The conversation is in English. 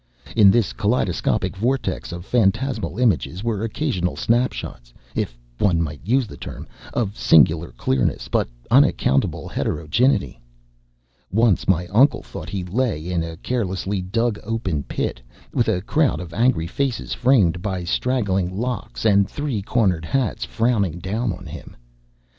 In this kaleidoscopic vortex of phantasmal images were occasional snap shots, if one might use the term, of singular clearness but unaccountable heterogeneity. Once my uncle thought he lay in a carelessly dug open pit, with a crowd of angry faces framed by straggling locks and three cornered hats frowning down on him.